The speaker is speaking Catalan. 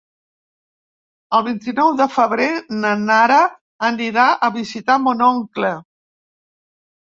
El vint-i-nou de febrer na Nara anirà a visitar mon oncle.